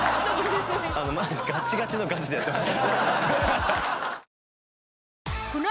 マジガッチガチのガチでやってました。